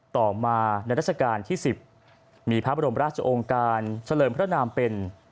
ต่อมาในราชการที่๑๐มีพระบรมราชองค์การเฉลิมพระนามเป็น